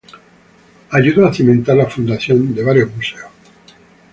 Ayudó a cimentar la fundación de varios museos.